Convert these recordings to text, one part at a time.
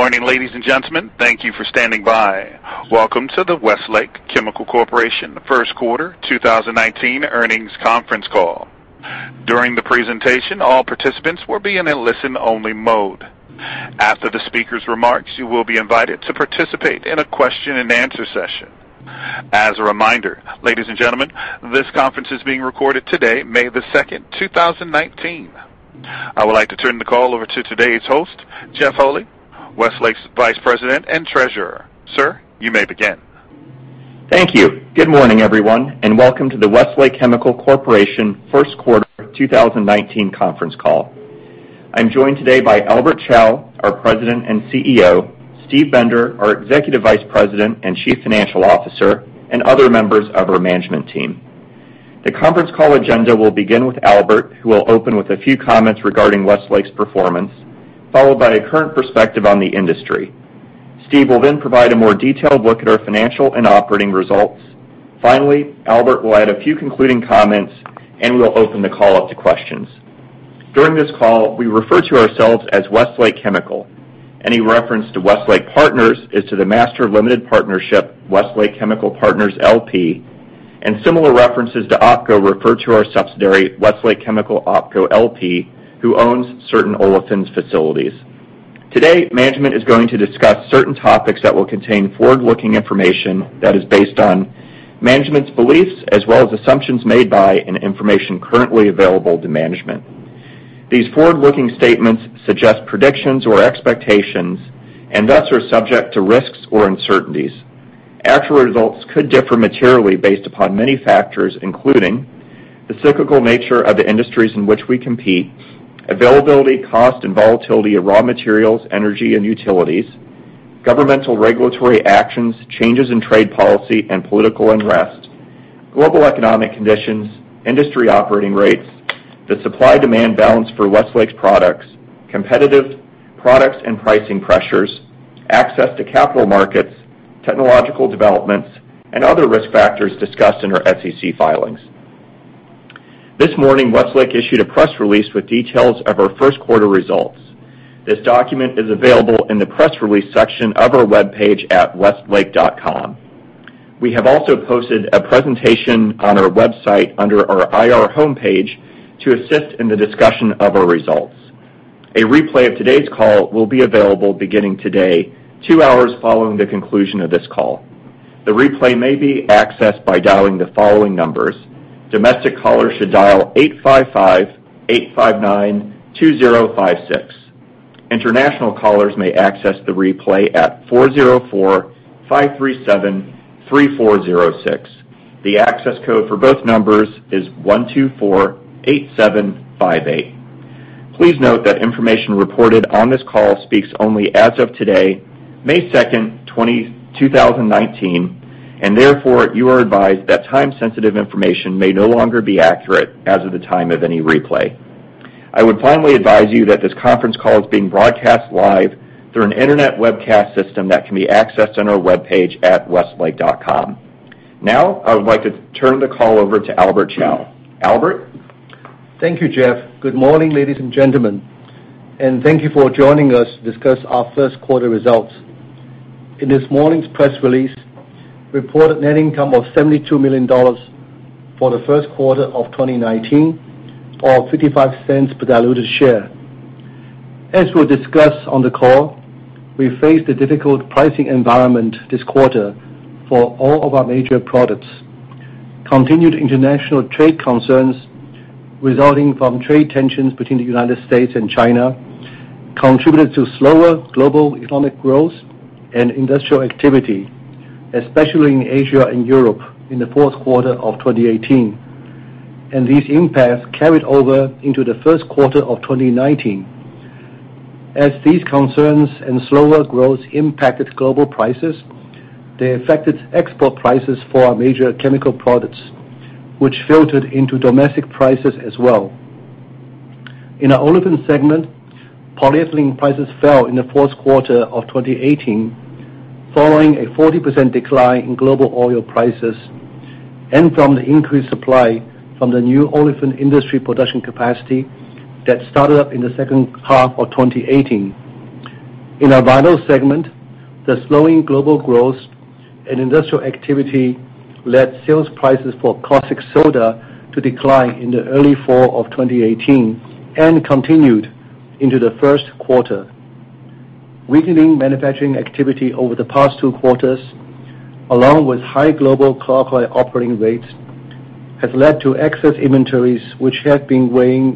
Good morning, ladies and gentlemen. Thank you for standing by. Welcome to the Westlake Chemical Corporation First Quarter 2019 earnings conference call. During the presentation, all participants will be in a listen-only mode. After the speakers' remarks, you will be invited to participate in a question-and-answer session. As a reminder, ladies and gentlemen, this conference is being recorded today, May the 2nd, 2019. I would like to turn the call over to today's host, Jeff Holy, Westlake's Vice President and Treasurer. Sir, you may begin. Thank you. Good morning, everyone, and welcome to the Westlake Chemical Corporation First Quarter 2019 conference call. I am joined today by Albert Chao, our President and CEO, Steve Bender, our Executive Vice President and Chief Financial Officer, and other members of our management team. The conference call agenda will begin with Albert, who will open with a few comments regarding Westlake's performance, followed by a current perspective on the industry. Steve will then provide a more detailed look at our financial and operating results. Finally, Albert will add a few concluding comments, and we will open the call up to questions. During this call, we refer to ourselves as Westlake Chemical. Any reference to Westlake Partners is to the master limited partnership Westlake Chemical Partners, LP, and similar references to OpCo refer to our subsidiary, Westlake Chemical OpCo LP, who owns certain olefins facilities. Today, management is going to discuss certain topics that will contain forward-looking information that is based on management's beliefs as well as assumptions made by and information currently available to management. These forward-looking statements suggest predictions or expectations and thus are subject to risks or uncertainties. Actual results could differ materially based upon many factors, including the cyclical nature of the industries in which we compete; availability, cost, and volatility of raw materials, energy, and utilities; governmental regulatory actions, changes in trade policy and political unrest; global economic conditions; industry operating rates; the supply-demand balance for Westlake's products; competitive products and pricing pressures; access to capital markets; technological developments; and other risk factors discussed in our SEC filings. This morning, Westlake issued a press release with details of our first quarter results. This document is available in the press release section of our webpage at westlake.com. We have also posted a presentation on our website under our IR homepage to assist in the discussion of our results. A replay of today's call will be available beginning today, two hours following the conclusion of this call. The replay may be accessed by dialing the following numbers. Domestic callers should dial 855-859-2056. International callers may access the replay at 404-537-3406. The access code for both numbers is 1248758. Please note that information reported on this call speaks only as of today, May 2nd, 2019, and therefore, you are advised that time-sensitive information may no longer be accurate as of the time of any replay. I would finally advise you that this conference call is being broadcast live through an internet webcast system that can be accessed on our webpage at westlake.com. Now, I would like to turn the call over to Albert Chao. Albert? Thank you, Jeff. Good morning, ladies and gentlemen, and thank you for joining us to discuss our first quarter results. In this morning's press release, reported net income of $72 million for the first quarter of 2019, or $0.55 per diluted share. As we'll discuss on the call, we faced a difficult pricing environment this quarter for all of our major products. Continued international trade concerns resulting from trade tensions between the United States and China contributed to slower global economic growth and industrial activity, especially in Asia and Europe in the fourth quarter of 2018, and these impacts carried over into the first quarter of 2019. As these concerns and slower growth impacted global prices, they affected export prices for our major chemical products, which filtered into domestic prices as well. In our Olefins segment, polyethylene prices fell in the fourth quarter of 2018 following a 40% decline in global oil prices and from the increased supply from the new olefin industry production capacity that started up in the second half of 2018. In our Vinyls segment, the slowing global growth and industrial activity led sales prices for caustic soda to decline in the early fall of 2018 and continued into the first quarter. Weakening manufacturing activity over the past two quarters, along with high global chlorine operating rates, has led to excess inventories, which have been weighing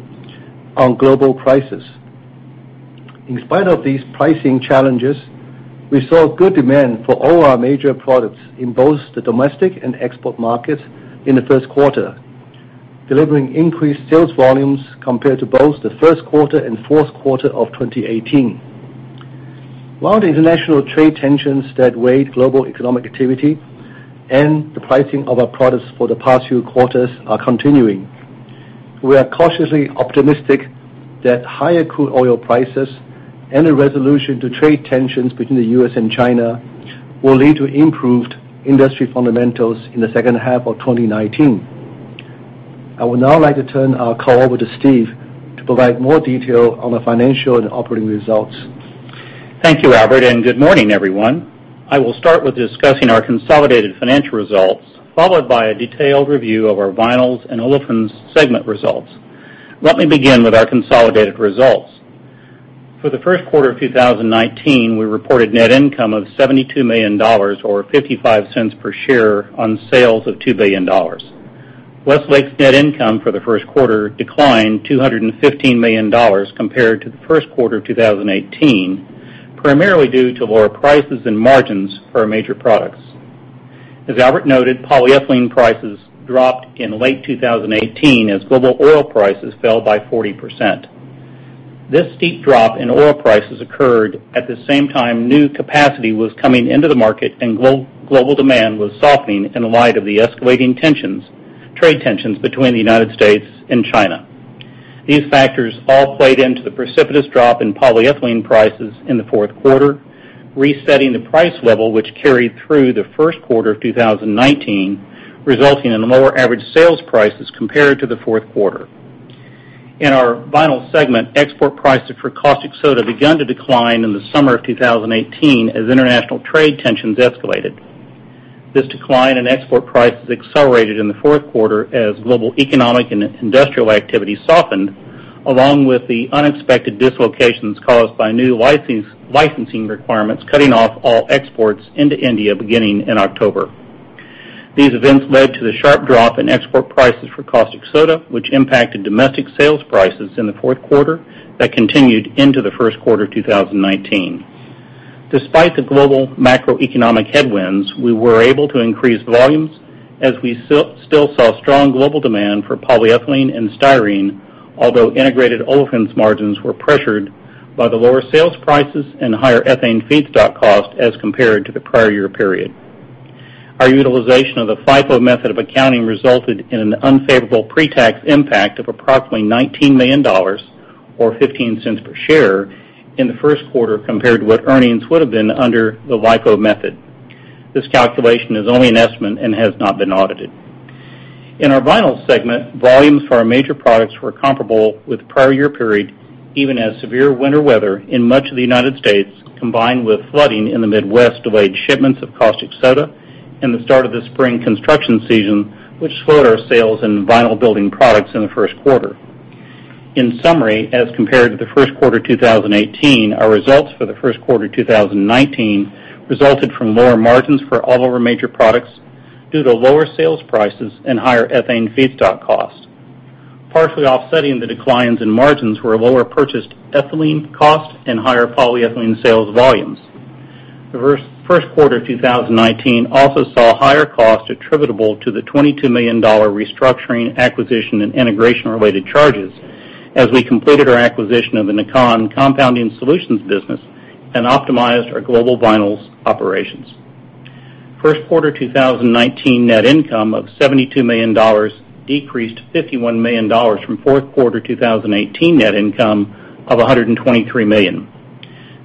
on global prices. In spite of these pricing challenges, we saw good demand for all our major products in both the domestic and export markets in the first quarter, delivering increased sales volumes compared to both the first quarter and fourth quarter of 2018. While the international trade tensions that weighed global economic activity and the pricing of our products for the past few quarters are continuing, we are cautiously optimistic that higher crude oil prices and a resolution to trade tensions between the U.S. and China will lead to improved industry fundamentals in the second half of 2019. I would now like to turn our call over to Steve to provide more detail on the financial and operating results. Thank you, Albert, and good morning, everyone. I will start with discussing our consolidated financial results, followed by a detailed review of our Vinyls and Olefins segment results. Let me begin with our consolidated results. For the first quarter of 2019, we reported net income of $72 million, or $0.55 per share on sales of $2 billion. Westlake's net income for the first quarter declined $215 million compared to the first quarter of 2018, primarily due to lower prices and margins for our major products. As Albert noted, polyethylene prices dropped in late 2018 as global oil prices fell by 40%. This steep drop in oil prices occurred at the same time new capacity was coming into the market and global demand was softening in light of the escalating trade tensions between the United States and China. These factors all played into the precipitous drop in polyethylene prices in the fourth quarter, resetting the price level which carried through the first quarter of 2019, resulting in lower average sales prices compared to the fourth quarter. In our Vinyls segment, export prices for caustic soda began to decline in the summer of 2018 as international trade tensions escalated. This decline in export prices accelerated in the fourth quarter as global economic and industrial activity softened, along with the unexpected dislocations caused by new licensing requirements, cutting off all exports into India beginning in October. These events led to the sharp drop in export prices for caustic soda, which impacted domestic sales prices in the fourth quarter that continued into the first quarter of 2019. Despite the global macroeconomic headwinds, we were able to increase volumes as we still saw strong global demand for polyethylene and styrene, although integrated olefins margins were pressured by the lower sales prices and higher ethane feedstock cost as compared to the prior year period. Our utilization of the FIFO method of accounting resulted in an unfavorable pretax impact of approximately $19 million, or $0.15 per share in the first quarter compared to what earnings would have been under the LIFO method. This calculation is only an estimate and has not been audited. In our Vinyls segment, volumes for our major products were comparable with the prior year period, even as severe winter weather in much of the United States, combined with flooding in the Midwest, delayed shipments of caustic soda and the start of the spring construction season, which slowed our sales in vinyl building products in the first quarter. In summary, as compared to the first quarter 2018, our results for the first quarter 2019 resulted from lower margins for all of our major products due to lower sales prices and higher ethane feedstock costs. Partially offsetting the declines in margins were lower purchased ethylene costs and higher polyethylene sales volumes. The first quarter 2019 also saw higher costs attributable to the $22 million restructuring, acquisition, and integration-related charges as we completed our acquisition of the NAKAN Compounding Solutions business and optimized our global Vinyls operations. First quarter 2019 net income of $72 million decreased $51 million from fourth quarter 2018 net income of $123 million.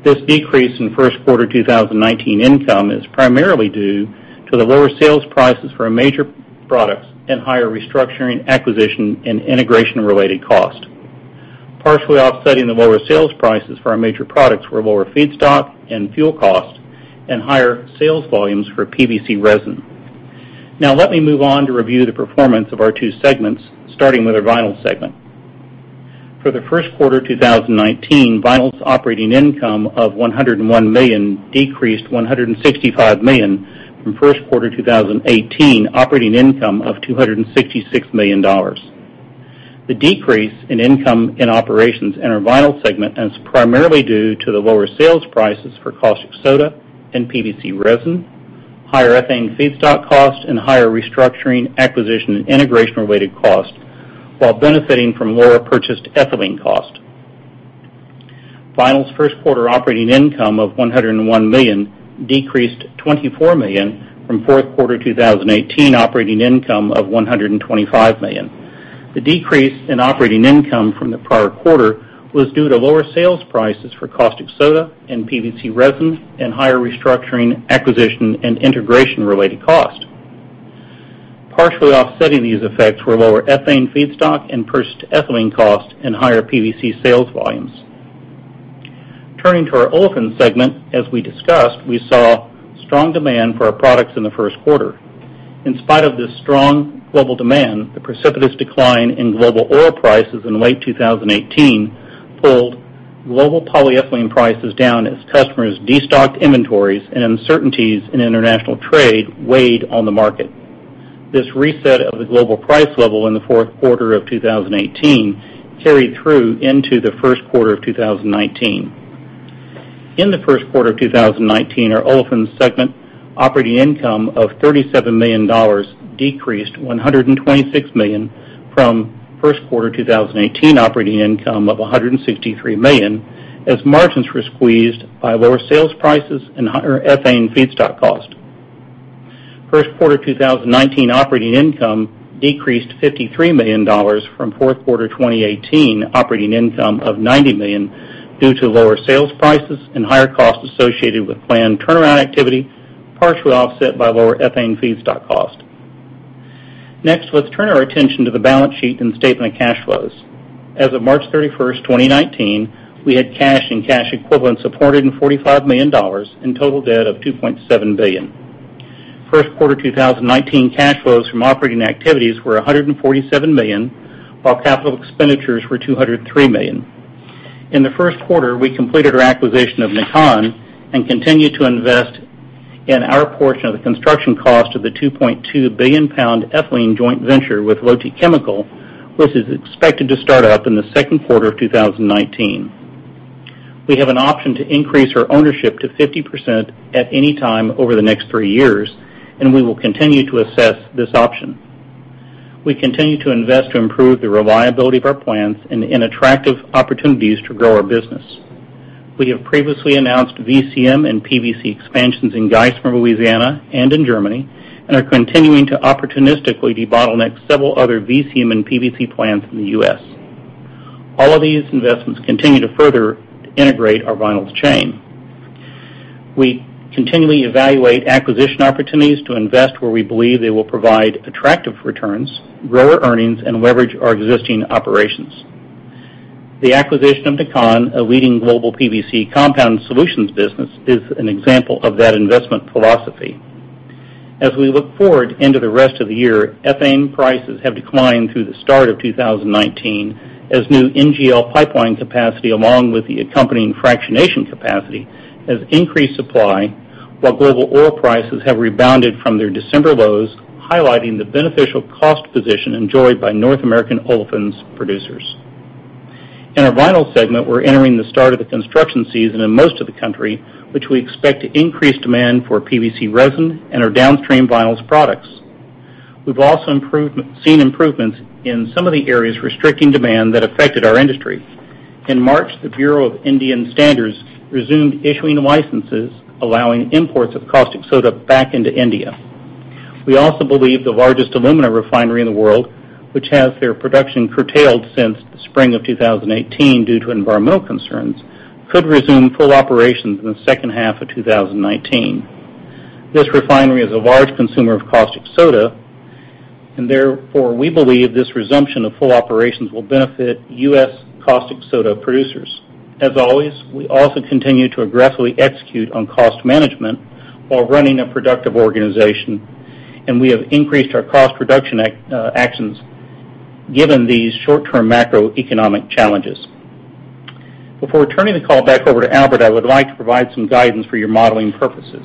This decrease in first quarter 2019 income is primarily due to the lower sales prices for our major products and higher restructuring, acquisition, and integration-related cost. Partially offsetting the lower sales prices for our major products were lower feedstock and fuel costs and higher sales volumes for PVC resin. Now, let me move on to review the performance of our two segments, starting with our Vinyls segment. For the first quarter 2019, Vinyls operating income of $101 million decreased $165 million from first quarter 2018 operating income of $266 million. The decrease in income in operations in our Vinyls segment is primarily due to the lower sales prices for caustic soda and PVC resin, higher ethane feedstock costs, and higher restructuring, acquisition, and integration-related costs, while benefiting from lower purchased ethylene cost. Vinyls first quarter operating income of $101 million decreased $24 million from fourth quarter 2018 operating income of $125 million. The decrease in operating income from the prior quarter was due to lower sales prices for caustic soda and PVC resin and higher restructuring, acquisition, and integration-related cost. Partially offsetting these effects were lower ethane feedstock and purchased ethylene cost and higher PVC sales volumes. Turning to our Olefins segment, as we discussed, we saw strong demand for our products in the first quarter. In spite of this strong global demand, the precipitous decline in global oil prices in late 2018 pulled global polyethylene prices down as customers destocked inventories and uncertainties in international trade weighed on the market. This reset of the global price level in the fourth quarter of 2018 carried through into the first quarter of 2019. In the first quarter of 2019, our Olefins segment operating income of $37 million decreased $126 million from first quarter 2018 operating income of $163 million, as margins were squeezed by lower sales prices and higher ethane feedstock cost. First quarter 2019 operating income decreased $53 million from fourth quarter 2018 operating income of $90 million due to lower sales prices and higher costs associated with planned turnaround activity. Partially offset by lower ethane feedstock cost. Let's turn our attention to the balance sheet and statement of cash flows. As of March 31st, 2019, we had cash and cash equivalents of $145 million and total debt of $2.7 billion. First quarter 2019 cash flows from operating activities were $147 million, while capital expenditures were $203 million. In the first quarter, we completed our acquisition of NAKAN and continued to invest in our portion of the construction cost of the 2.2-billion-pound ethylene joint venture with LOTTE Chemical, which is expected to start up in the second quarter of 2019. We have an option to increase our ownership to 50% at any time over the next three years, and we will continue to assess this option. We continue to invest to improve the reliability of our plants and in attractive opportunities to grow our business. We have previously announced VCM and PVC expansions in Geismar, Louisiana, and in Germany, and are continuing to opportunistically bottleneck several other VCM and PVC plants in the U.S. All of these investments continue to further integrate our Vinyls chain. We continually evaluate acquisition opportunities to invest where we believe they will provide attractive returns, grow our earnings, and leverage our existing operations. The acquisition of NAKAN, a leading global PVC compound solutions business, is an example of that investment philosophy. As we look forward into the rest of the year, ethane prices have declined through the start of 2019 as new NGL pipeline capacity, along with the accompanying fractionation capacity, has increased supply, while global oil prices have rebounded from their December lows, highlighting the beneficial cost position enjoyed by North American olefins producers. In our vinyl segment, we're entering the start of the construction season in most of the country, which we expect to increase demand for PVC resin and our downstream vinyls products. We've also seen improvements in some of the areas restricting demand that affected our industry. In March, the Bureau of Indian Standards resumed issuing licenses, allowing imports of caustic soda back into India. We also believe the largest alumina refinery in the world, which has had their production curtailed since the spring of 2018 due to environmental concerns, could resume full operations in the second half of 2019. This refinery is a large consumer of caustic soda, and therefore, we believe this resumption of full operations will benefit U.S. caustic soda producers. As always, we also continue to aggressively execute on cost management while running a productive organization, and we have increased our cost reduction actions given these short-term macroeconomic challenges. Before turning the call back over to Albert, I would like to provide some guidance for your modeling purposes.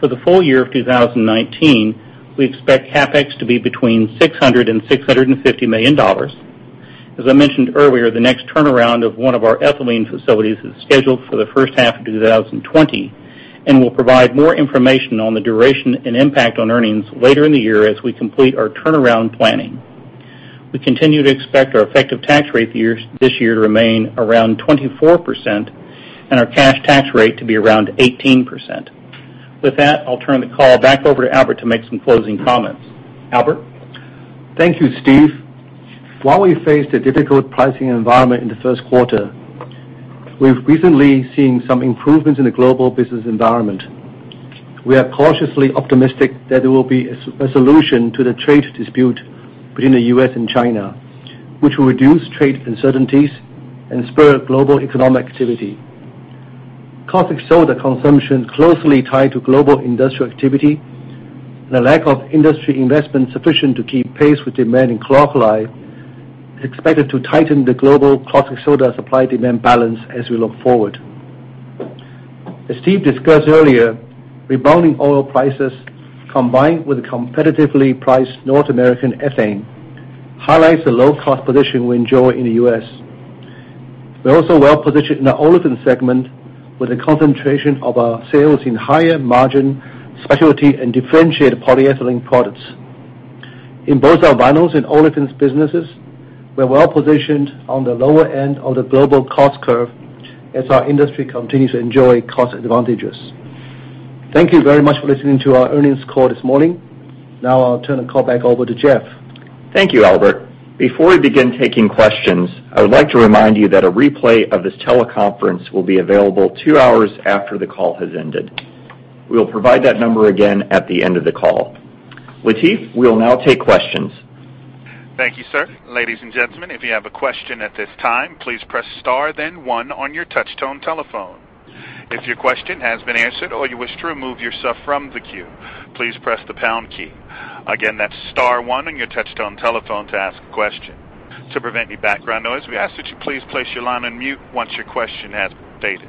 For the full year of 2019, we expect CapEx to be between $600 million and $650 million. As I mentioned earlier, the next turnaround of one of our ethylene facilities is scheduled for the first half of 2020, and we'll provide more information on the duration and impact on earnings later in the year as we complete our turnaround planning. We continue to expect our effective tax rate this year to remain around 24% and our cash tax rate to be around 18%. With that, I'll turn the call back over to Albert to make some closing comments. Albert? Thank you, Steve. While we faced a difficult pricing environment in the first quarter, we've recently seen some improvements in the global business environment. We are cautiously optimistic that there will be a solution to the trade dispute between the U.S. and China, which will reduce trade uncertainties and spur global economic activity. Caustic soda consumption closely tied to global industrial activity and a lack of industry investment sufficient to keep pace with demand in chlor-alkali is expected to tighten the global caustic soda supply-demand balance as we look forward. As Steve discussed earlier, rebounding oil prices, combined with competitively priced North American ethane, highlights the low-cost position we enjoy in the U.S. We're also well positioned in the olefin segment with the concentration of our sales in higher margin specialty and differentiated polyethylene products. In both our vinyls and olefins businesses, we're well positioned on the lower end of the global cost curve as our industry continues to enjoy cost advantages. Thank you very much for listening to our earnings call this morning. I'll turn the call back over to Jeff. Thank you, Albert. Before we begin taking questions, I would like to remind you that a replay of this teleconference will be available two hours after the call has ended. We will provide that number again at the end of the call. Latif, we will now take questions. Thank you, sir. Ladies and gentlemen, if you have a question at this time, please press star then one on your touchtone telephone. If your question has been answered or you wish to remove yourself from the queue, please press the pound key. Again, that's star one on your touchtone telephone to ask a question. To prevent any background noise, we ask that you please place your line on mute once your question has been stated.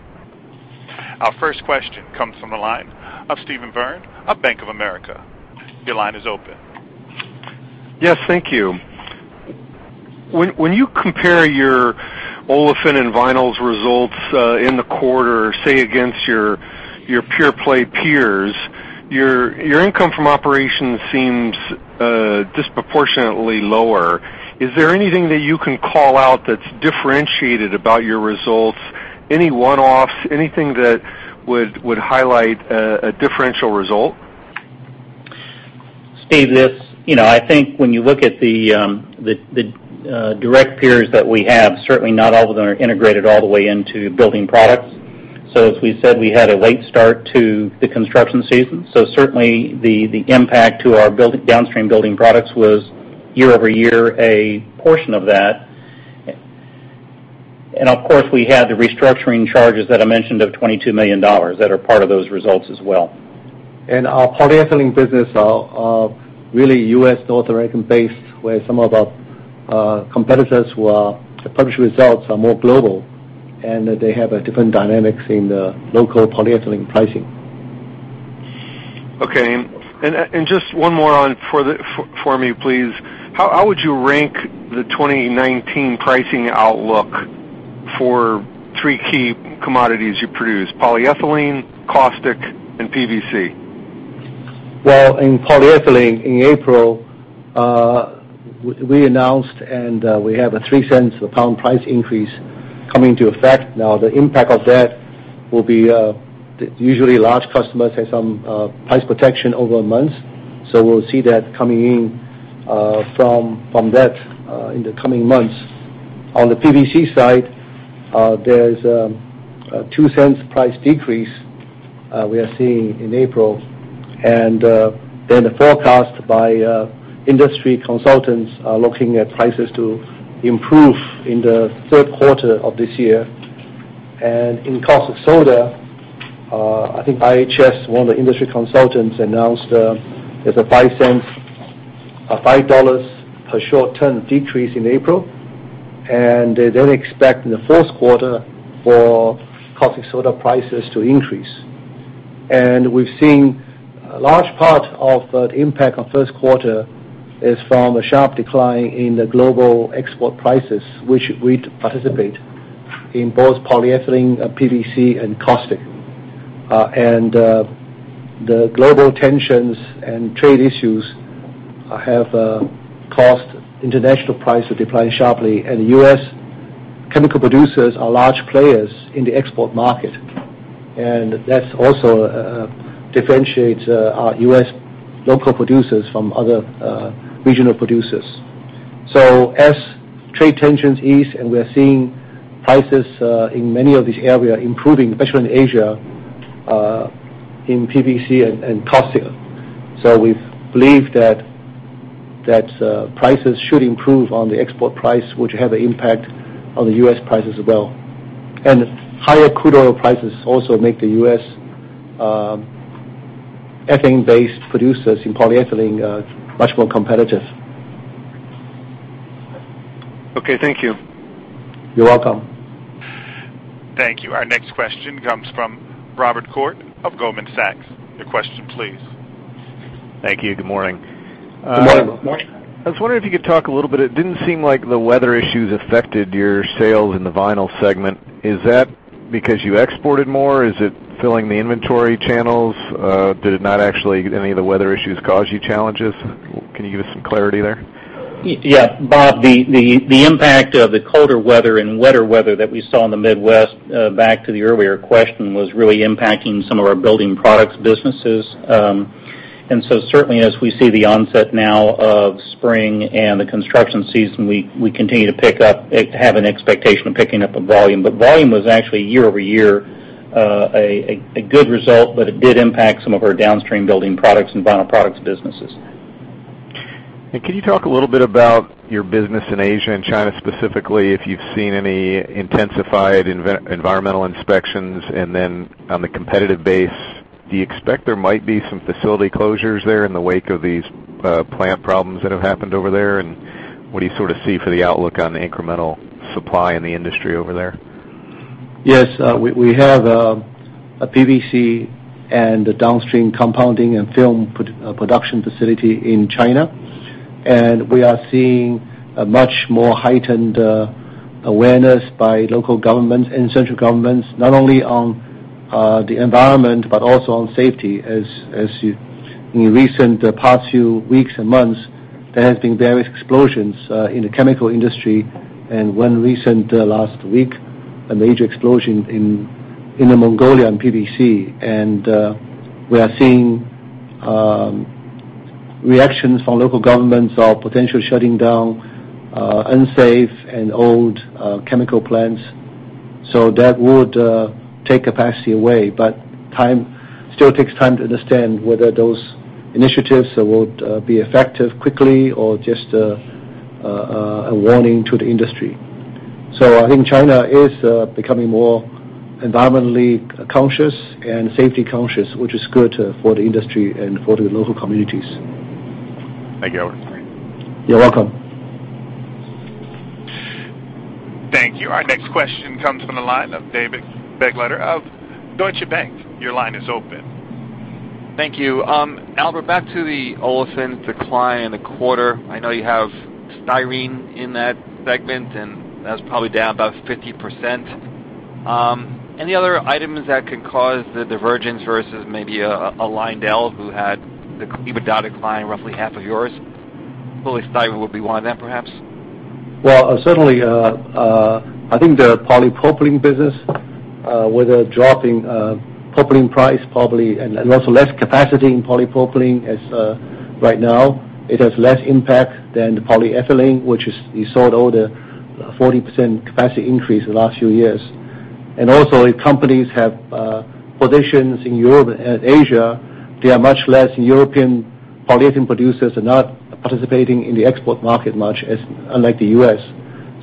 Our first question comes from the line of Steve Byrne of Bank of America. Your line is open. Yes. Thank you. When you compare your olefin and vinyls results in the quarter, say, against your pure-play peers, your income from operations seems disproportionately lower. Is there anything that you can call out that's differentiated about your results? Any one-offs? Anything that would highlight a differential result? Steve, I think when you look at the direct peers that we have, certainly not all of them are integrated all the way into building products. As we said, we had a late start to the construction season. Certainly the impact to our downstream building products was year-over-year a portion of that. Of course, we had the restructuring charges that I mentioned of $22 million that are part of those results as well. Our polyethylene business are really U.S. North American based, where some of our competitors who publish results are more global, and they have different dynamics in the local polyethylene pricing. Okay. Just one more for me, please. How would you rank the 2019 pricing outlook for three key commodities you produce, polyethylene, caustic, and PVC? Well, in polyethylene, in April, we announced, we have a $0.03 a pound price increase coming into effect. Now, the impact of that will be usually large customers have some price protection over months. We'll see that coming in from that in the coming months. On the PVC side, there's a $0.02 price decrease we are seeing in April. The forecast by industry consultants are looking at prices to improve in the third quarter of this year. In caustic soda, I think IHS, one of the industry consultants, announced there's a $5 per short ton decrease in April, and they're expecting the first quarter for caustic soda prices to increase. We've seen a large part of the impact on first quarter is from a sharp decline in the global export prices, which we participate in both polyethylene, PVC, and caustic. The global tensions and trade issues have caused international prices to decline sharply. U.S. chemical producers are large players in the export market, and that also differentiates our U.S. local producers from other regional producers. As trade tensions ease, and we are seeing prices in many of these areas improving, especially in Asia, in PVC and caustic. We believe that prices should improve on the export price, which have an impact on the U.S. prices as well. Higher crude oil prices also make the U.S. ethane-based producers in polyethylene much more competitive. Okay. Thank you. You're welcome. Thank you. Our next question comes from Robert Koort of Goldman Sachs. Your question please. Thank you. Good morning. Good morning, Robert. I was wondering if you could talk a little bit. It didn't seem like the weather issues affected your sales in the vinyl segment. Is that because you exported more? Is it filling the inventory channels? Did it not actually any of the weather issues cause you challenges? Can you give us some clarity there? Yeah. Bob, the impact of the colder weather and wetter weather that we saw in the Midwest, back to the earlier question, was really impacting some of our building products businesses. Certainly as we see the onset now of spring and the construction season, we continue to have an expectation of picking up volume. Volume was actually year-over-year a good result, but it did impact some of our downstream building products and vinyl products businesses. Can you talk a little bit about your business in Asia and China specifically, if you've seen any intensified environmental inspections? On the competitive base, do you expect there might be some facility closures there in the wake of these plant problems that have happened over there? What do you sort of see for the outlook on the incremental supply in the industry over there? Yes. We have a PVC and a downstream compounding and film production facility in China. We are seeing a much more heightened awareness by local governments and central governments, not only on the environment, but also on safety. As in recent past few weeks and months, there have been various explosions in the chemical industry. One recent last week, a major explosion in Inner Mongolia on PVC. We are seeing reactions from local governments of potentially shutting down unsafe and old chemical plants. That would take capacity away, but it still takes time to understand whether those initiatives would be effective quickly or just a warning to the industry. I think China is becoming more environmentally conscious and safety conscious, which is good for the industry and for the local communities. Thank you, Albert. You're welcome. Thank you. Our next question comes from the line of David Begleiter of Deutsche Bank. Your line is open. Thank you. Albert, back to the olefins decline in the quarter. I know you have styrene in that segment, and that was probably down about 50%. Any other items that could cause the divergence versus maybe a LyondellBasell who had the EBITDA decline roughly half of yours? Polystyrene would be one of them, perhaps? Well, certainly, I think the polypropylene business, with a dropping propylene price probably, also less capacity in polypropylene right now. It has less impact than the polyethylene, which you saw all the 40% capacity increase in the last few years. Also, if companies have positions in Europe and Asia, they are much less European polyethylene producers are not participating in the export market much, unlike the U.S.,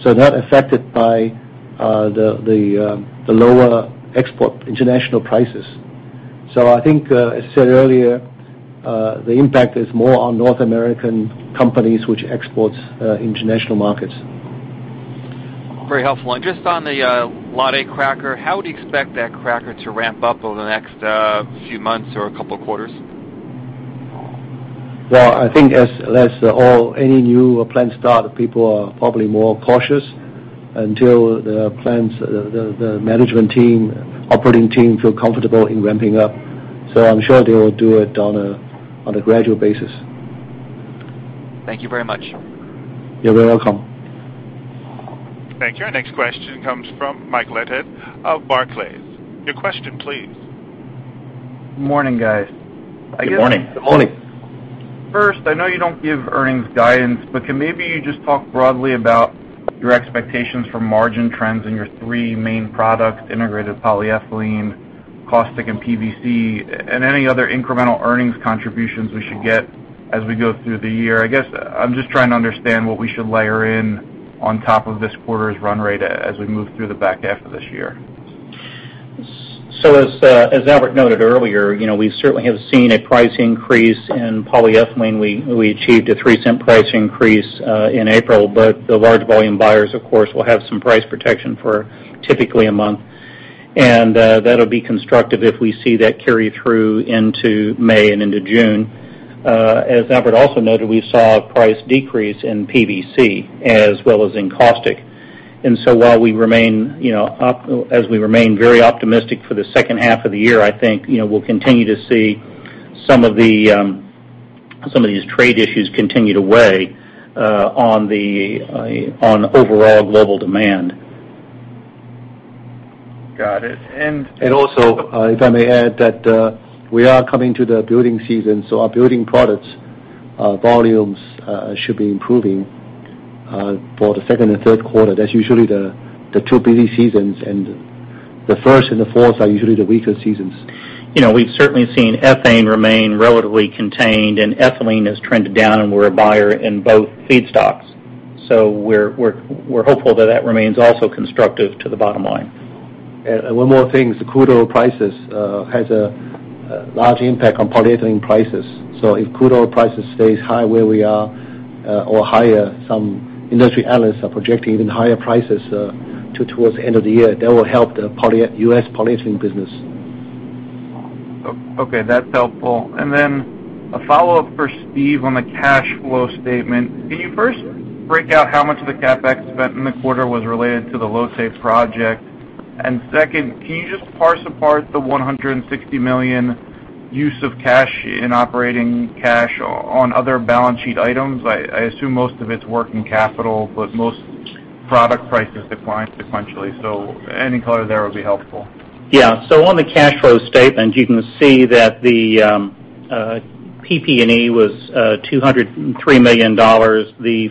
so not affected by the lower export international prices. I think, as I said earlier, the impact is more on North American companies which exports international markets. Very helpful. Just on the LOTTE cracker, how would you expect that cracker to ramp up over the next few months or couple of quarters? Well, I think as any new plant start, people are probably more cautious until the management team, operating team feel comfortable in ramping up. I'm sure they will do it on a gradual basis. Thank you very much. You're very welcome. Thank you. Our next question comes from Michael Leithead of Barclays. Your question, please. Good morning, guys. Good morning. Good morning. First, I know you don't give earnings guidance, but can maybe you just talk broadly about your expectations for margin trends in your three main products, integrated polyethylene, caustic, and PVC, and any other incremental earnings contributions we should get as we go through the year? I guess I'm just trying to understand what we should layer in on top of this quarter's run rate as we move through the back half of this year. As Albert noted earlier, we certainly have seen a price increase in polyethylene. We achieved a $0.03 price increase in April, but the large volume buyers, of course, will have some price protection for typically a month. That will be constructive if we see that carry through into May and into June. As Albert also noted, we saw a price decrease in PVC as well as in caustic. As we remain very optimistic for the second half of the year, I think we will continue to see some of these trade issues continue to weigh on overall global demand. Got it. Also, if I may add that we are coming to the building season, so our building products volumes should be improving for the second and third quarter. That is usually the two busy seasons, and the first and the fourth are usually the weaker seasons. We have certainly seen ethane remain relatively contained, and ethylene has trended down, and we are a buyer in both feedstocks. So we are hopeful that that remains also constructive to the bottom line. One more thing, the crude oil prices have a large impact on polyethylene prices. If crude oil prices stays high where we are or higher, some industry analysts are projecting even higher prices towards the end of the year. That will help the U.S. polyethylene business. Okay, that's helpful. Then a follow-up for Steve on the cash flow statement. Can you first break out how much of the CapEx spent in the quarter was related to the Lotte project? Second, can you just parse apart the $160 million use of cash in operating cash on other balance sheet items? I assume most of it's working capital, but most product prices declined sequentially. Any color there would be helpful. On the cash flow statement, you can see that the PP&E was $203 million. The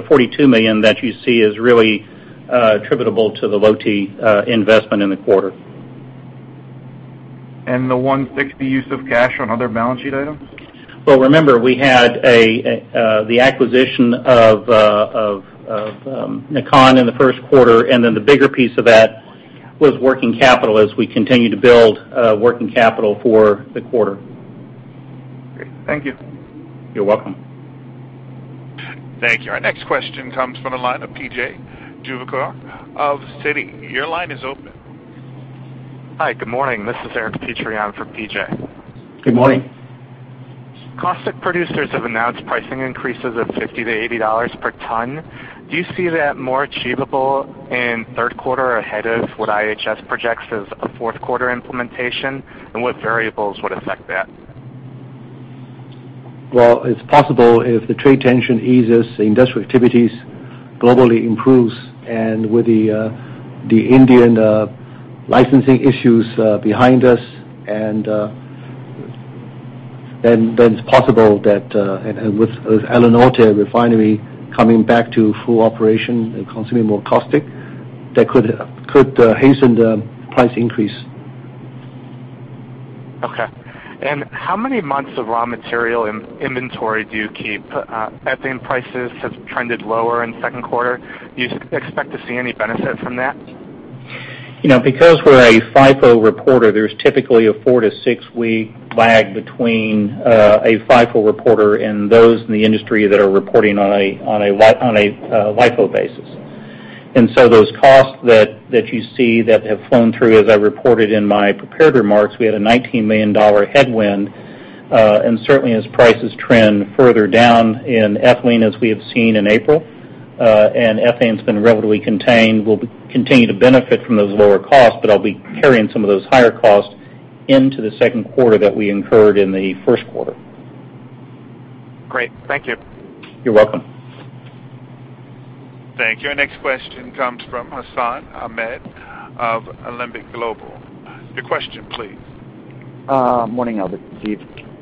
$42 million that you see is really attributable to the Lotte investment in the quarter. The $160 use of cash on other balance sheet items? Remember, we had the acquisition of NAKAN in the first quarter, and then the bigger piece of that was working capital as we continue to build working capital for the quarter. Great. Thank you. You're welcome. Thank you. Our next question comes from the line of P.J. Juvekar of Citi. Your line is open. Hi, good morning. This is Aaron Petreon from P.J. Good morning. Caustic producers have announced pricing increases of $50-$80 per ton. Do you see that more achievable in third quarter ahead of what IHS projects as a fourth quarter implementation? What variables would affect that? Well, it's possible if the trade tension eases, the industrial activities globally improves, and with the Indian licensing issues behind us. It's possible that with Alunorte refinery coming back to full operation and consuming more caustic, that could hasten the price increase. Okay. How many months of raw material inventory do you keep? Ethane prices have trended lower in second quarter. Do you expect to see any benefit from that? Because we're a FIFO reporter, there's typically a four to six week lag between a FIFO reporter and those in the industry that are reporting on a LIFO basis. Those costs that you see that have flown through, as I reported in my prepared remarks, we had a $19 million headwind. Certainly as prices trend further down in ethylene as we have seen in April, and Ethane's been relatively contained, we'll continue to benefit from those lower costs, but I'll be carrying some of those higher costs Into the second quarter that we incurred in the first quarter. Great. Thank you. You're welcome. Thank you. Our next question comes from Hassan Ahmed of Alembic Global. Your question, please. Morning, Albert and Steve.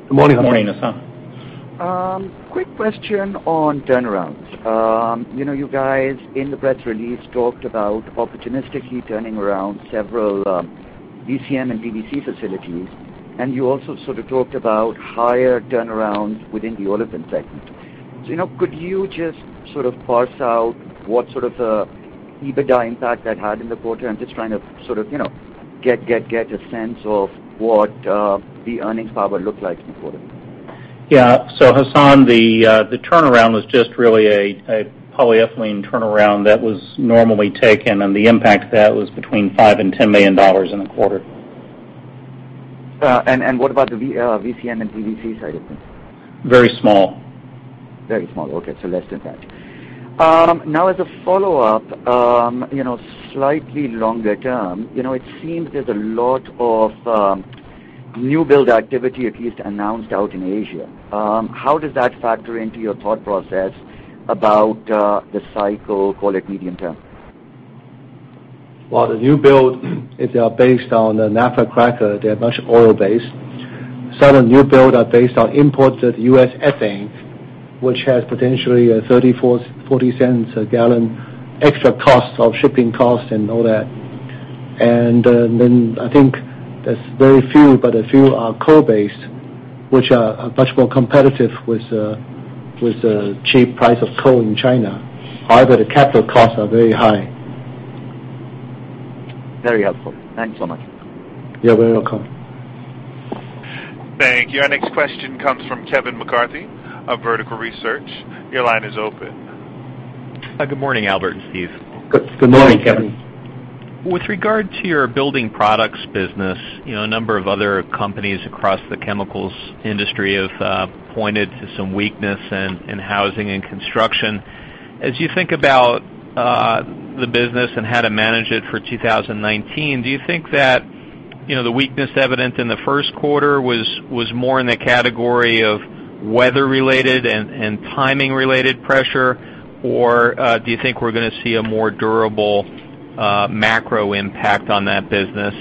Good morning, Hassan. Morning. Quick question on turnarounds. You guys, in the press release, talked about opportunistically turning around several VCM and PVC facilities, you also sort of talked about higher turnarounds within the olefins segment. Could you just sort of parse out what sort of EBITDA impact that had in the quarter? I'm just trying to sort of get a sense of what the earnings power looked like in the quarter. Yeah. Hassan, the turnaround was just really a polyethylene turnaround that was normally taken, the impact of that was between $5 million and $10 million in a quarter. What about the VCM and PVC side of things? Very small. Very small. Okay, less than that. As a follow-up, slightly longer term, it seems there's a lot of new build activity, at least announced out in Asia. How does that factor into your thought process about the cycle, call it medium term? Well, the new build, if they are based on the naphtha cracker, they're much oil based. Some of the new build are based on imported U.S. ethane, which has potentially $0.34-$0.40 a gallon extra cost of shipping cost and all that. I think there's very few, but a few are coal based, which are much more competitive with the cheap price of coal in China. However, the capital costs are very high. Very helpful. Thanks much. You're very welcome. Thank you. Our next question comes from Kevin McCarthy of Vertical Research. Your line is open. Good morning, Albert and Steve. Good morning, Kevin. With regard to your building products business, a number of other companies across the chemicals industry have pointed to some weakness in housing and construction. As you think about the business and how to manage it for 2019, do you think that the weakness evident in the first quarter was more in the category of weather related and timing related pressure, or do you think we're going to see a more durable macro impact on that business?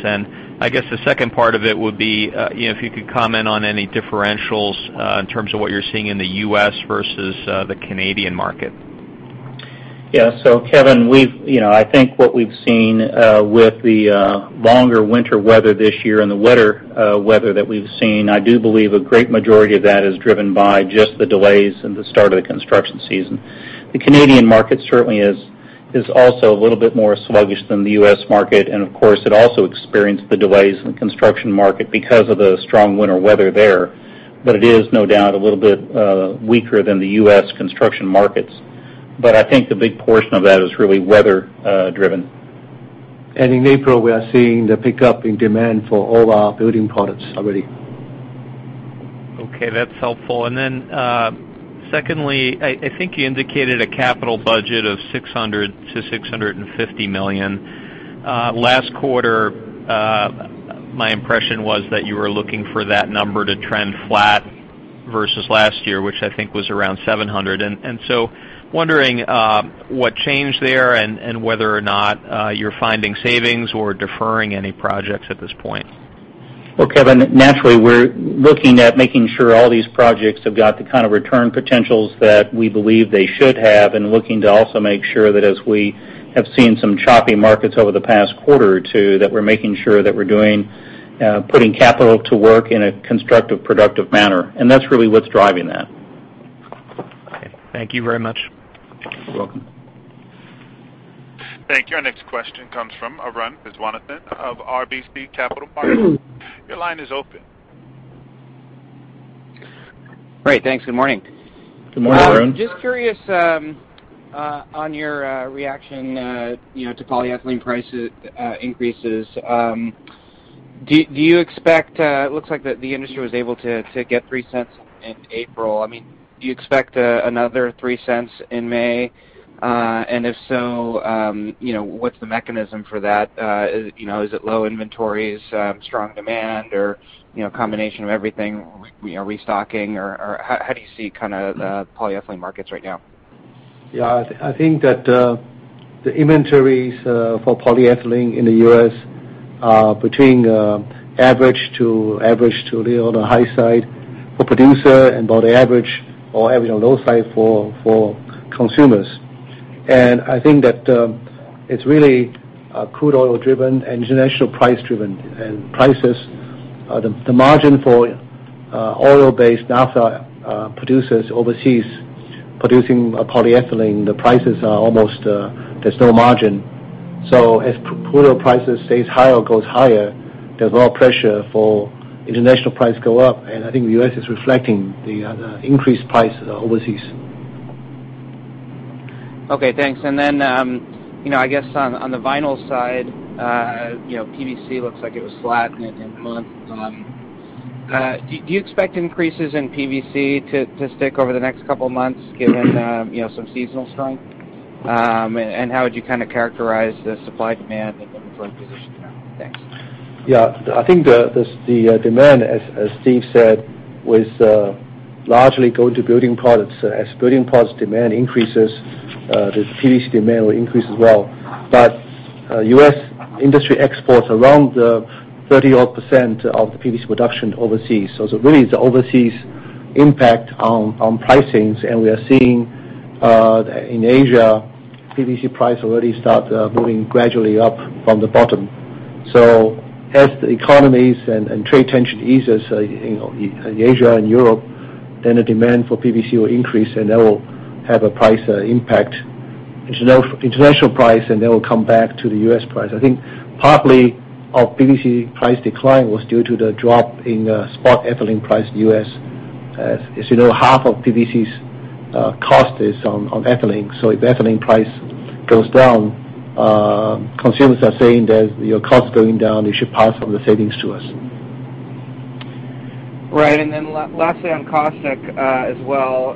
I guess the second part of it would be if you could comment on any differentials in terms of what you're seeing in the U.S. versus the Canadian market. Kevin, I think what we've seen with the longer winter weather this year and the wetter weather that we've seen, I do believe a great majority of that is driven by just the delays in the start of the construction season. The Canadian market certainly is also a little bit more sluggish than the U.S. market, of course, it also experienced the delays in the construction market because of the strong winter weather there. It is, no doubt, a little bit weaker than the U.S. construction markets. I think the big portion of that is really weather driven. In April, we are seeing the pickup in demand for all our building products already. Okay, that's helpful. Secondly, I think you indicated a capital budget of $600 million-$650 million. Last quarter, my impression was that you were looking for that number to trend flat versus last year, which I think was around $700. Wondering what changed there and whether or not you're finding savings or deferring any projects at this point. Well, Kevin, naturally, we're looking at making sure all these projects have got the kind of return potentials that we believe they should have, looking to also make sure that as we have seen some choppy markets over the past quarter or two, that we're making sure that we're putting capital to work in a constructive, productive manner. That's really what's driving that. Okay. Thank you very much. You're welcome. Thank you. Our next question comes from Arun Viswanathan of RBC Capital Markets. Your line is open. Great. Thanks. Good morning. Good morning, Arun. Just curious on your reaction to polyethylene price increases. It looks like the industry was able to get $0.03 in April. Do you expect another $0.03 in May? If so, what's the mechanism for that? Is it low inventories, strong demand, or a combination of everything, restocking, or how do you see kind of the polyethylene markets right now? Yeah. I think that the inventories for polyethylene in the U.S. are between average to a little on the high side for producer and about average or average on low side for consumers. I think that it's really crude oil driven and international price driven. The margin for oil based naphtha producers overseas producing polyethylene, the prices are almost there's no margin. As crude oil prices stays higher or goes higher, there's a lot of pressure for international price go up, and I think the U.S. is reflecting the increased prices overseas. Okay, thanks. Then, I guess on the vinyl side, PVC looks like it was flat month on month. Do you expect increases in PVC to stick over the next couple of months, given some seasonal strength? How would you characterize the supply, demand, and the current position now? Thanks. Yeah. I think the demand, as Steve said, was largely going to building products. As building products demand increases, the PVC demand will increase as well. U.S. industry exports around the 30-odd% of PVC production overseas. It really is the overseas impact on pricings. We are seeing in Asia, PVC price already start moving gradually up from the bottom. As the economies and trade tension eases in Asia and Europe, then the demand for PVC will increase, and that will have a price impact. International price, and that will come back to the U.S. price. I think partly our PVC price decline was due to the drop in spot ethylene price in the U.S. As you know, half of PVC's cost is on ethylene. If ethylene price goes down, consumers are saying that your cost going down, you should pass on the savings to us. Right. Lastly on caustic as well.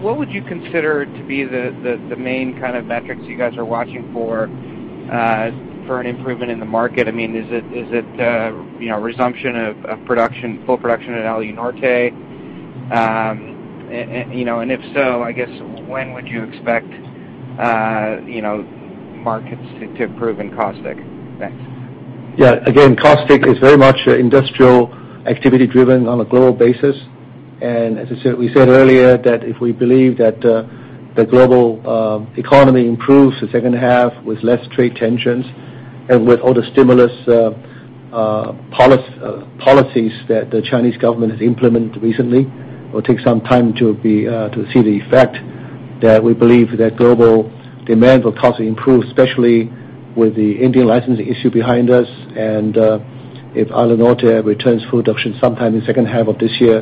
What would you consider to be the main kind of metrics you guys are watching for an improvement in the market? Is it resumption of full production at Alunorte? If so, I guess, when would you expect markets to improve in caustic? Thanks. Yeah. Again, caustic is very much industrial activity driven on a global basis. As we said earlier, that if we believe that the global economy improves the second half with less trade tensions and with all the stimulus policies that the Chinese government has implemented recently, will take some time to see the effect, that we believe that global demand for caustic improves, especially with the Indian licensing issue behind us. If Alunorte returns to production sometime in second half of this year,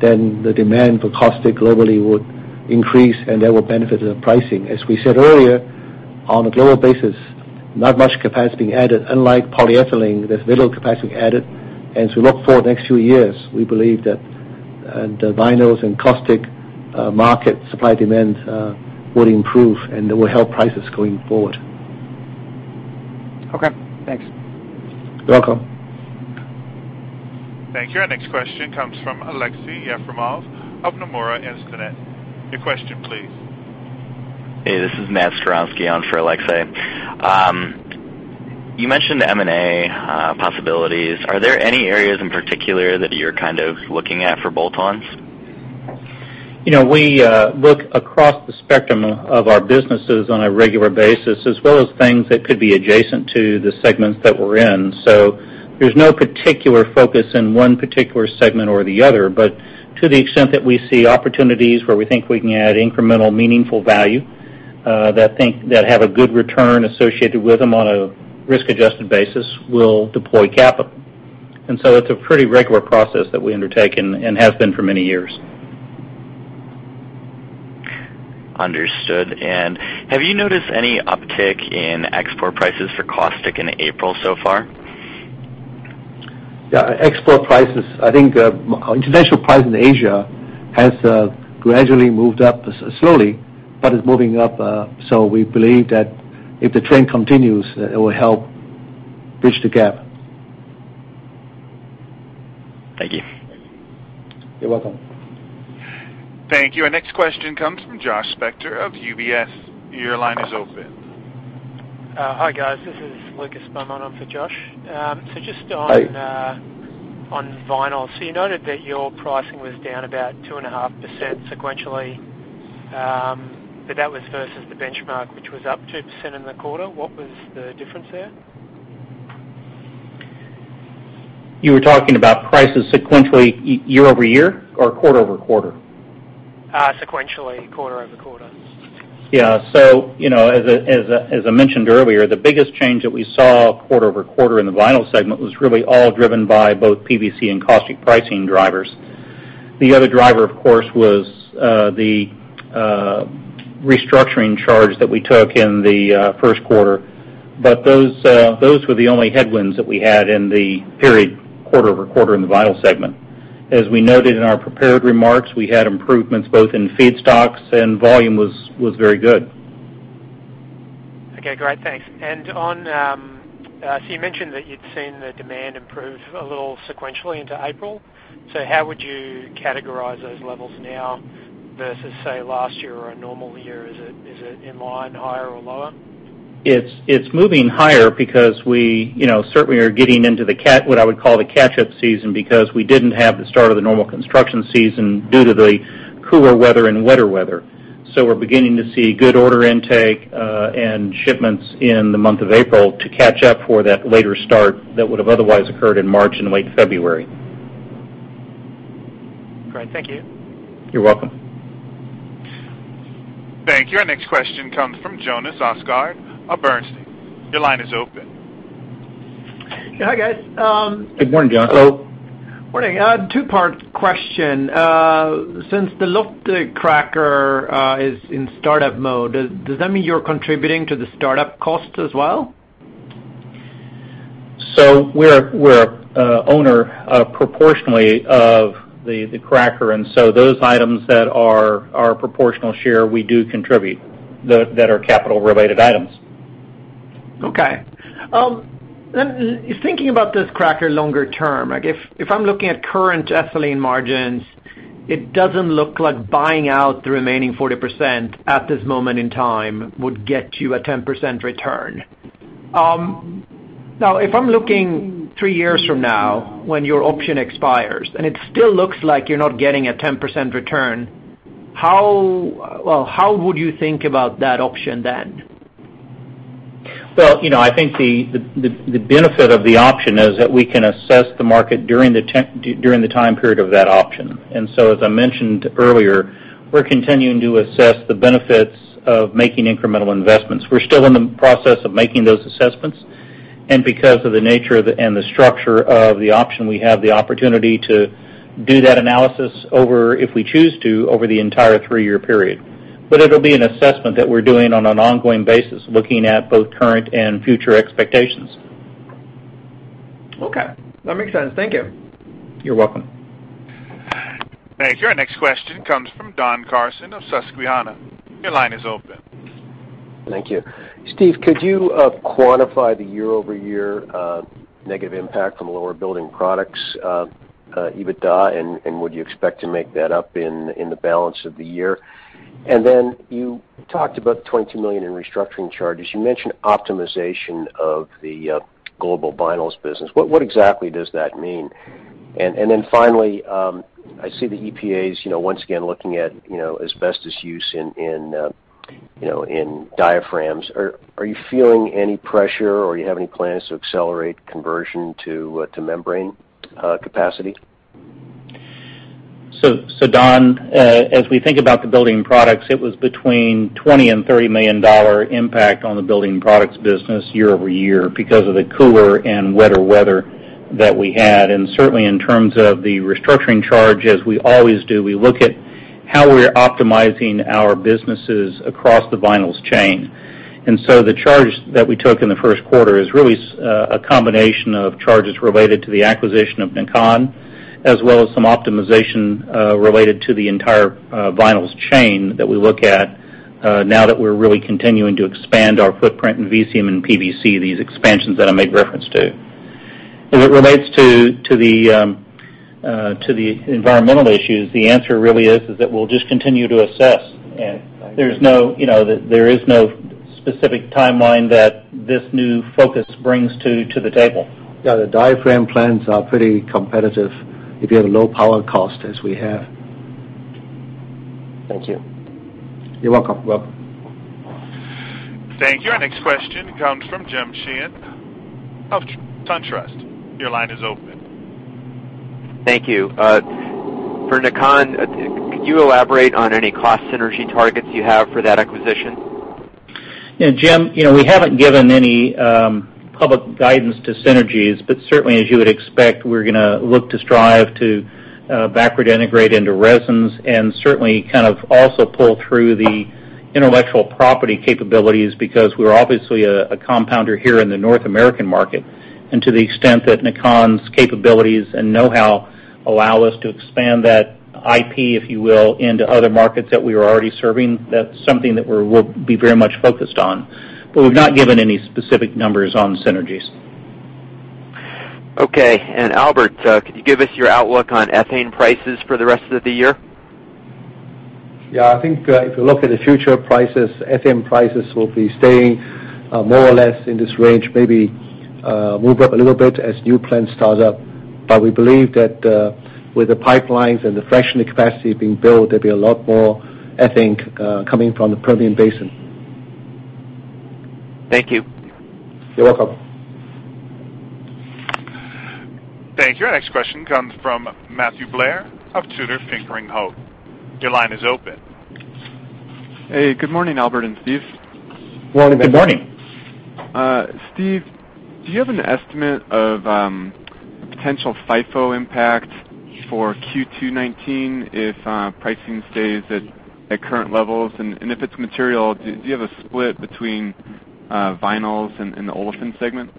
the demand for caustic globally would increase, that will benefit the pricing. As we said earlier, on a global basis, not much capacity added. Unlike polyethylene, there's little capacity added. We look forward next two years, we believe that the vinyls and caustic market supply-demand will improve, and that will help prices going forward. Okay, thanks. You're welcome. Thank you. Our next question comes from Aleksey Yefremov of Nomura Instinet. Your question, please. Hey, this is Nat Skowrouski on for Aleksey. You mentioned M&A possibilities. Are there any areas in particular that you're kind of looking at for bolt-ons? We look across the spectrum of our businesses on a regular basis, as well as things that could be adjacent to the segments that we're in. There's no particular focus in one particular segment or the other. To the extent that we see opportunities where we think we can add incremental meaningful value, that have a good return associated with them on a risk-adjusted basis, we'll deploy capital. It's a pretty regular process that we undertake, and has been for many years. Understood. Have you noticed any uptick in export prices for caustic in April so far? Yeah, export prices. I think international price in Asia has gradually moved up slowly, but is moving up. We believe that if the trend continues, it will help bridge the gap. Thank you. You're welcome. Thank you. Our next question comes from Joshua Spector of UBS. Your line is open. Hi, guys. This is Lucas Beaumont on for Josh. Hi. Just on vinyl. You noted that your pricing was down about 2.5% sequentially. That was versus the benchmark, which was up 2% in the quarter. What was the difference there? You were talking about prices sequentially year-over-year or quarter-over-quarter? Sequentially, quarter-over-quarter. Yeah. As I mentioned earlier, the biggest change that we saw quarter-over-quarter in the vinyl segment was really all driven by both PVC and caustic pricing drivers. The other driver, of course, was the restructuring charge that we took in the first quarter. Those were the only headwinds that we had in the period quarter-over-quarter in the vinyl segment. As we noted in our prepared remarks, we had improvements both in feedstocks and volume was very good. Okay, great. Thanks. You mentioned that you'd seen the demand improve a little sequentially into April. How would you categorize those levels now versus, say, last year or a normal year? Is it in line, higher, or lower? It's moving higher because we certainly are getting into what I would call the catch-up season because we didn't have the start of the normal construction season due to the cooler weather and wetter weather. We're beginning to see good order intake and shipments in the month of April to catch up for that later start that would have otherwise occurred in March and late February. Great. Thank you. You're welcome. Thank you. Our next question comes from Jonas Oxgaard of Bernstein. Your line is open. Hi, guys. Good morning, Jonas. Hello. Morning. Two-part question. Since the LOTTE cracker is in startup mode, does that mean you're contributing to the startup cost as well? We're a owner proportionally of the cracker, and so those items that are our proportional share, we do contribute, that are capital related items. Okay. Thinking about this cracker longer term, if I'm looking at current ethylene margins, it doesn't look like buying out the remaining 40% at this moment in time would get you a 10% return. Now, if I'm looking three years from now when your option expires, and it still looks like you're not getting a 10% return, how would you think about that option then? I think the benefit of the option is that we can assess the market during the time period of that option. As I mentioned earlier, we're continuing to assess the benefits of making incremental investments. We're still in the process of making those assessments, and because of the nature and the structure of the option, we have the opportunity to do that analysis over, if we choose to, over the entire three-year period. It'll be an assessment that we're doing on an ongoing basis, looking at both current and future expectations. Okay. That makes sense. Thank you. You're welcome. Thank you. Our next question comes from Don Carson of Susquehanna. Your line is open. Thank you. Steve, could you quantify the year-over-year negative impact from lower building products EBITDA? Would you expect to make that up in the balance of the year? You talked about the $22 million in restructuring charges. You mentioned optimization of the global vinyls business. What exactly does that mean? Finally, I see the EPAs once again looking at asbestos use in diaphragms. Are you feeling any pressure, or you have any plans to accelerate conversion to membrane capacity? Don, as we think about the building products, it was between $20 million and $30 million impact on the building products business year-over-year because of the cooler and wetter weather that we had. Certainly, in terms of the restructuring charge, as we always do, we look at how we're optimizing our businesses across the vinyls chain. The charge that we took in the first quarter is really a combination of charges related to the acquisition of NAKAN, as well as some optimization related to the entire vinyls chain that we look at now that we're really continuing to expand our footprint in VCM and PVC, these expansions that I made reference to. As it relates to the environmental issues, the answer really is that we'll just continue to assess. Okay. Thank you. There is no specific timeline that this new focus brings to the table. Yeah, the diaphragm plants are pretty competitive if you have low power cost as we have. Thank you. You're welcome. Thank you. Our next question comes from James Sheehan of SunTrust. Your line is open. Thank you. For NAKAN, could you elaborate on any cost synergy targets you have for that acquisition? Yeah, Jim, we haven't given any public guidance to synergies. Certainly, as you would expect, we're going to look to strive to backward integrate into resins and certainly kind of also pull through the intellectual property capabilities because we're obviously a compounder here in the North American market. To the extent that NAKAN's capabilities and know-how allow us to expand that IP, if you will, into other markets that we are already serving, that's something that we'll be very much focused on. We've not given any specific numbers on synergies. Okay. Albert, could you give us your outlook on ethane prices for the rest of the year? Yeah, I think if you look at the future prices, ethane prices will be staying more or less in this range, maybe move up a little bit as new plants start up. We believe that with the pipelines and the fractionate capacity being built, there'll be a lot more ethane coming from the Permian Basin. Thank you. You're welcome. Thank you. Our next question comes from Matthew Blair of Tudor, Pickering, Holt & Co. Your line is open. Hey, good morning, Albert and Steve. Morning. Good morning. Steve, do you have an estimate of potential FIFO impact for Q2 2019 if pricing stays at current levels? If it's material, do you have a split between vinyls and the olefin segment?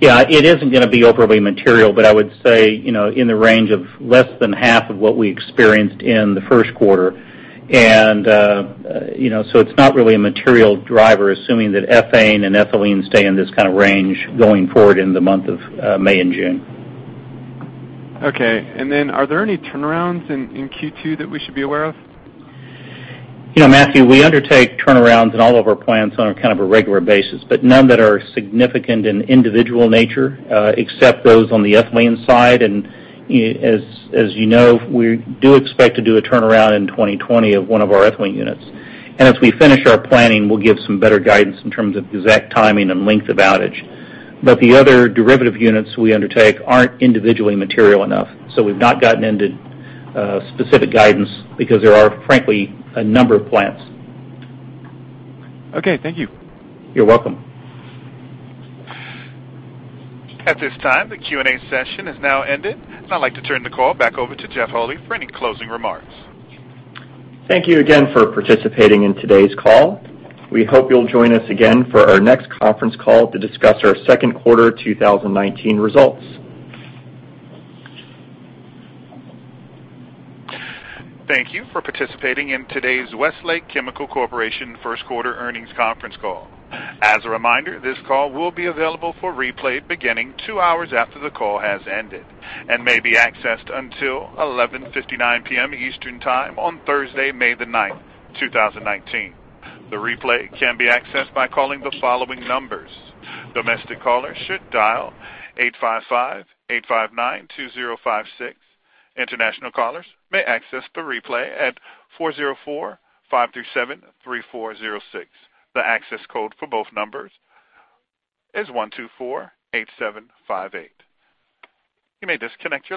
Yeah, it isn't going to be overly material, but I would say in the range of less than half of what we experienced in the first quarter. It's not really a material driver, assuming that ethane and ethylene stay in this kind of range going forward in the month of May and June. Okay. Are there any turnarounds in Q2 that we should be aware of? Matthew, we undertake turnarounds in all of our plants on kind of a regular basis, none that are significant in individual nature except those on the ethylene side. As you know, we do expect to do a turnaround in 2020 of one of our ethylene units. As we finish our planning, we'll give some better guidance in terms of exact timing and length of outage. The other derivative units we undertake aren't individually material enough, so we've not gotten into specific guidance because there are, frankly, a number of plants. Okay, thank you. You're welcome. At this time, the Q&A session has now ended. I'd like to turn the call back over to Jeff Holy for any closing remarks. Thank you again for participating in today's call. We hope you'll join us again for our next conference call to discuss our second quarter 2019 results. Thank you for participating in today's Westlake Chemical Corporation first quarter earnings conference call. As a reminder, this call will be available for replay beginning two hours after the call has ended and may be accessed until 11:59 P.M. Eastern Time on Thursday, May the 9th, 2019. The replay can be accessed by calling the following numbers. Domestic callers should dial 855-859-2056. International callers may access the replay at 404-537-3406. The access code for both numbers is 1248758. You may disconnect your line.